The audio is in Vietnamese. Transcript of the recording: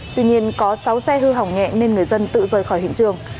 tuy nhiên có sáu xe hư hỏng nhẹ nên người dân tự rời khỏi hiện trường